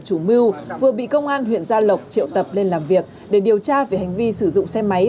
chủ mưu vừa bị công an huyện gia lộc triệu tập lên làm việc để điều tra về hành vi sử dụng xe máy